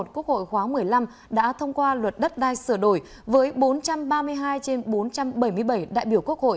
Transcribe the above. quốc hội khóa một mươi năm đã thông qua luật đất đai sửa đổi với bốn trăm ba mươi hai trên bốn trăm bảy mươi bảy đại biểu quốc hội